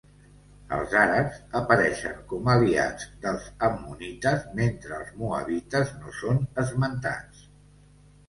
Els àrabs apareixen com aliats dels ammonites mentre els moabites no són esmentats.